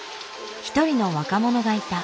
一人の若者がいた。